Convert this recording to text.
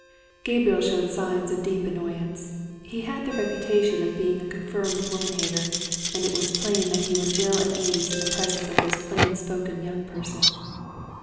Gabriel showed signs of deep annoyance. He had the reputation of being a confirmed woman hater, and it was plain that he was ill at ease in presence of this plain spoken young person.